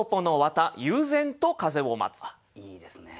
あっいいですね。